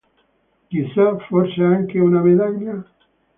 Chissà, forse anche una medaglia?